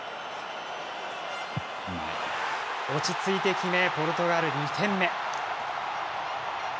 落ち着いて決めポルトガル、２点目。